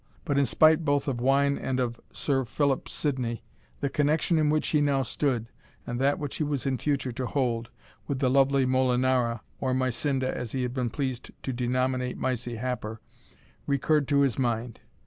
But in spite both of wine and of Sir Philip Sidney, the connexion in which he now stood, and that which he was in future to hold, with the lovely Molinara, or Mysinda, as he had been pleased to denominate Mysie Happer, recurred to his mind.